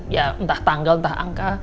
ya entah tanggal entah angka